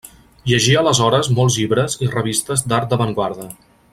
Llegí aleshores molts llibres i revistes d'art d'avantguarda.